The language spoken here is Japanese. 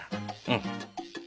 うん。